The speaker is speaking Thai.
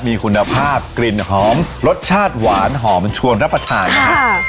มีคุณภาพกลิ่นหอมรสชาติหวานหอมชวนรับประทานนะครับ